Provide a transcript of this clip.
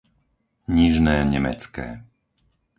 Nižné Nemecké